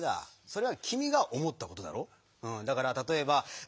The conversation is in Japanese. それはきみがおもったことだろ。